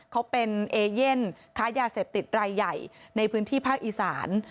เขาเป็นเอเย่นค้ายาเสพติดรายใหญ่ในพื้นที่ภาคอีสาน